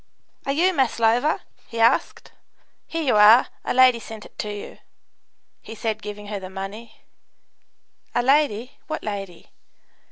"Are you Maslova?" he asked. "Here you are; a lady sent it you," he said, giving her the money. "A lady what lady?"